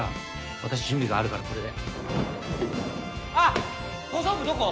私準備があるからこれであっ放送部どこ？